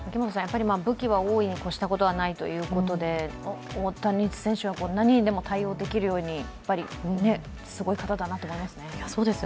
武器は多いにこしたことはないということで、大谷選手は何にでも対応できるように、すごい方だなと思いますね。